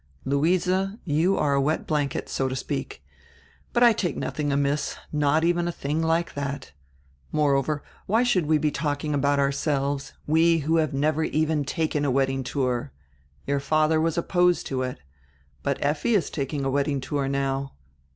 "Luise, you are a wet blanket, so to speak. But I take nothing amiss, not even a tiling like that. Moreover, why should we be talking about ourselves, we who have never even taken a wedding tour? Your father was opposed to it. But Effi is taking a wedding tour now.